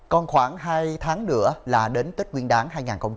còn khoảng hai tháng nữa là đến tết nguyên đáng hai nghìn hai mươi bốn